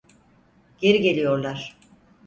Geri geliyorlar!